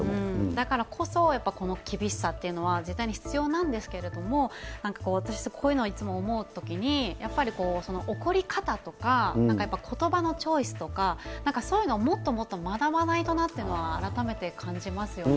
だからこそ、やっぱりこの厳しさというのは絶対に必要なんですけれども、なんか私、いつもこういうの思うときに、やっぱり怒り方とか、なんかやっぱりことばのチョイスとか、なんかそういうのをもっともっと学ばないとなっていうのは改めて感じますよね。